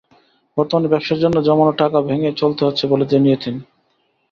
বর্তমানে ব্যবসার জন্য জমানো টাকা ভেঙে চলতে হচ্ছে বলে তিনি জানিয়েছেন।